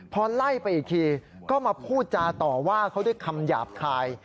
พอไล่ไปอีกทีก็มาพูดจาต่อว่าเขาด้วยคำหยาบคาย